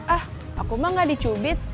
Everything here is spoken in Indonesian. ah aku mah gak dicubit